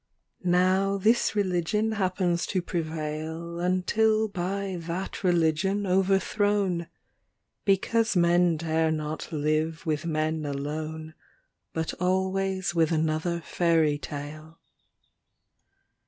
xxxvi Now this religion happens to prevail Until by that religion overthrown, ŌĆö Because men dare not live with men alone, But always with another fairy tale.